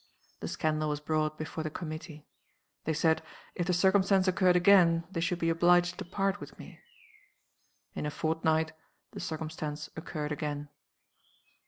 The scandal was brought before the committee. They said, if the circumstance occurred again, they should be obliged to part with me. In a fortnight the circumstance occurred again.